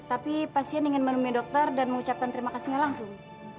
tapi pasien ingin menemui dokter dan mengucapkan terima kasihnya langsung